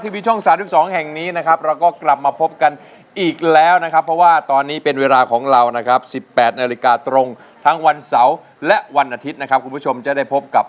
มีผู้มีแผ่นก็เพิ่งหน้าไปใช่รึยัง